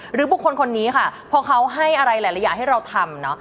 บุคคลคนนี้ค่ะพอเขาให้อะไรหลายอย่างให้เราทำเนอะ